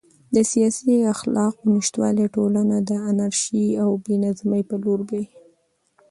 د سیاسي اخلاقو نشتوالی ټولنه د انارشي او بې نظمۍ په لور بیايي.